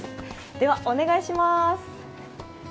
ではお願いします。